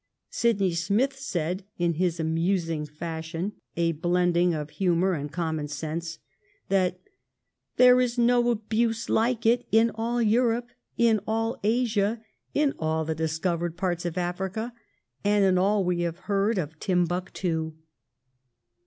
Sydney Smith said, in his amus ing fashion, a blending of humor and common sense, that "there is no abuse like it in all Europe, in all Asia, in all the discovered parts of Africa, and in all we have heard of Timbuctoo."